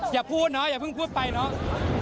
อย่าพูดเนาะอย่าเพิ่งพูดไปเนาะ